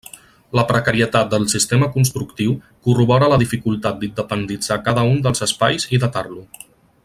La precarietat del sistema constructiu corrobora la dificultat d'independitzar cada un dels espais i datar-lo.